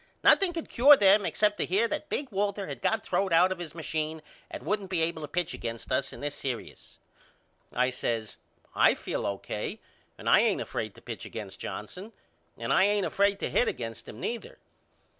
Nothing could cure them except to hear that big Walter had got throwed out of his machine and wouldn't be able to pitch against us in this serious. I says I feel O.K. and I ain't afraid to pitch against Johnson and I ain't afraid to hit against him neither.